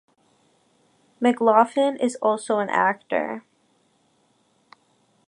McLaughlin is also an actor.